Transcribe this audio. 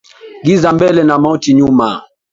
Giza mbele na mauti nyuma